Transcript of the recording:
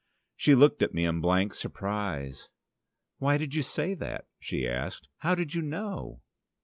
She looked at me in blank surprise. "Why did you say that?" she asked. "How did you know?"